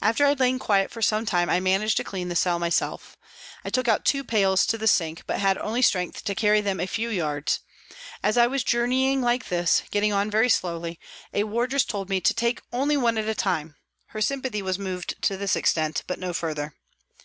After I had lain quiet for some time I managed to clean the cell myself. I took out two pails to the sink, but had only strength to carry them a few yards. As I was journeying like this, getting on very slowly, a wardress told me to take only one at a time ; her sympathy was moved to this extent, but no further.